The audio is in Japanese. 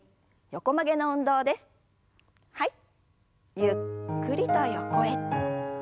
ゆっくりと横へ。